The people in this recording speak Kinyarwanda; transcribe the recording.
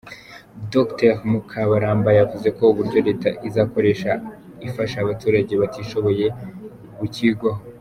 Dr Mukabaramba yavuze ko uburyo Leta izakoresha ifasha abaturage batishoboye bucyigwaho.